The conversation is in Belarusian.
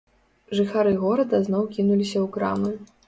Жыхары горада зноў кінуліся ў крамы.